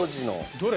どれ？